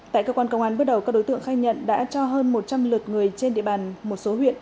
tại cơ quan công an bước đầu các đối tượng khai nhận đã cho hơn một trăm linh lượt người trên địa bàn một số huyện